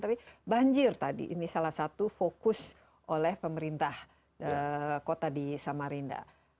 tapi banjir tadi ini salah satu fokus oleh pemerintah kota di samarinda